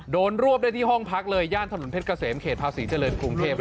รวบได้ที่ห้องพักเลยย่านถนนเพชรเกษมเขตภาษีเจริญกรุงเทพ